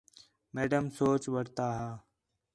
میڈم سوچ وٹھتا ہا